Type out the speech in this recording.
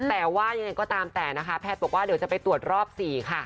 แต่ว่ายังไงก็ตามแต่นะคะแพทย์บอกว่าเดี๋ยวจะไปตรวจรอบ๔ค่ะ